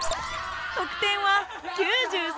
得点は９３点。